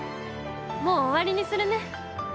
もう終わりにするね。